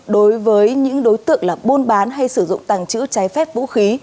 đối với những đối tượng là buôn bán hay sử dụng tàng trữ trái phép vũ khí